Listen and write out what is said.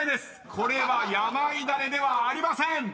［これは「やまいだれ」ではありません！］